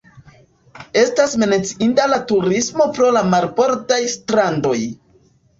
Estas menciinda la turismo pro la marbordaj strandoj.